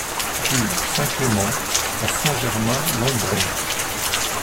Rue Saint-Clement à Saint-Germain-Lembron